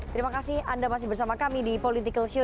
terima kasih anda masih bersama kami di political show